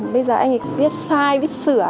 bây giờ anh biết sai biết sửa